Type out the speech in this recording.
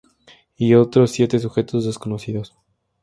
Y otros siete sujetos desconocidos.